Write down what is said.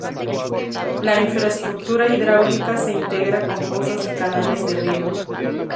La infraestructura hidráulica se integra con pozos y canales de riego.